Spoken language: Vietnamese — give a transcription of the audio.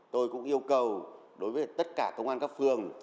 tôi cũng yêu cầu đối với tất cả công an các phường